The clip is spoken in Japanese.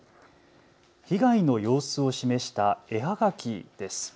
被害の様子を示した絵はがきです。